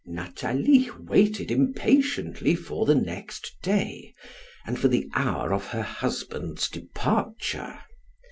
Nathalie waited impatiently for the next day, and for the hour of her husband's departure.